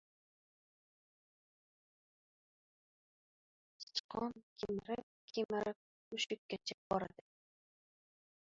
• Sichqon kemirib-kemirib mushukkacha boradi.